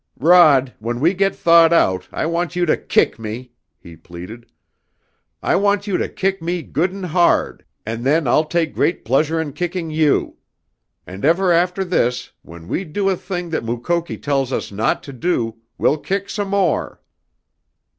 "Rod, when we get thawed out, I want you to kick me," he pleaded. "I want you to kick me good and hard, and then I'll take great pleasure in kicking you. And ever after this, when we do a thing that Mukoki tells us not to do, we'll kick some more!"